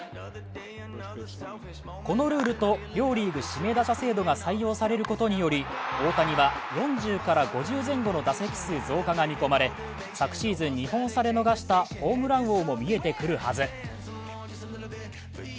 このルールと両リーグ指名打者制度が採用されることにより大谷は４０から５０前後の打席数増加が見込まれ昨シーズン２本差で逃したホームラン王も見えてくるはず。